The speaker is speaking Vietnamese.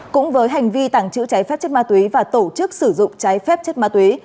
cũng với hành vi tàng trữ trái phép chất ma túy và tổ chức sử dụng trái phép chất ma túy